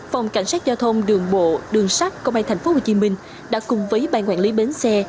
phòng cảnh sát giao thông đường bộ đường sát công an tp hcm đã cùng với ban quản lý bến xe